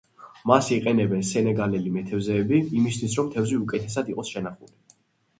მას იყენებენ სენეგალელი მეთევზეები, იმისთვის, რომ თევზი უკეთესად იყოს შენახული.